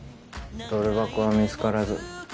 ドル箱は見つからず。